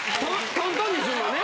トントンにするのね。